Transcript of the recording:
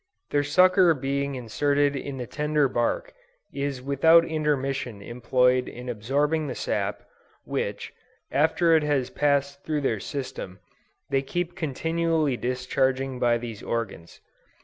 Their sucker being inserted in the tender bark, is without intermission employed in absorbing the sap, which, after it has passed through their system, they keep continually discharging by these organs.